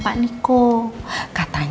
biasanya aku sudah jatuh ke ratusan